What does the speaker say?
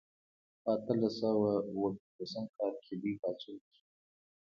په اتلس سوه او اووه پنځوسم کال کې لوی پاڅون وشو.